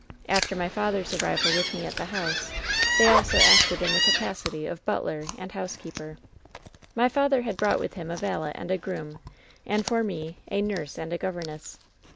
"After my father's arrival with me at the house they also acted in the capacity of butler and housekeeper. "My father had brought with him a valet and a groom, and for me a nurse and a governess.